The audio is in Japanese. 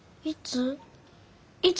いつ？